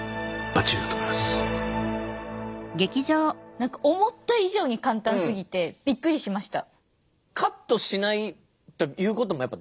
何か思った以上に簡単すぎてびっくりしました。